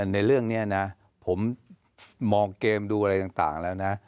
ในเรื่องนี้นะผมมองเกมดูอะไรต่างแล้วนะ